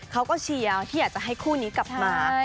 เขาก็เชียร์ที่อยากจะให้คู่นี้กลับมา